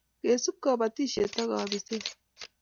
Kesup kapatisiet ab kapiset